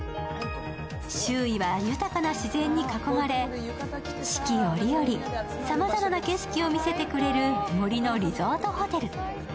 周囲は豊かな自然に囲まれ、四季折々、さまざまな景色を見せてくれる森のリゾートホテル。